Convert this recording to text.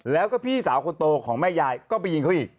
แล้วก็พี่สาวคนโตของแม่ยายก็ไปยิงเขาอีก